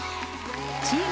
チーム